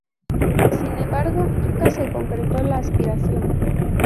Sin embargo, nunca se concretó la aspiración.